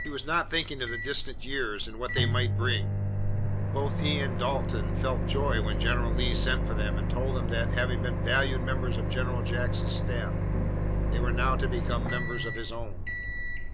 He was not thinking of the distant years and what they might bring. Both he and Dalton felt joy when General Lee sent for them and told them that, having been valued members of General Jackson's staff, they were now to become members of his own.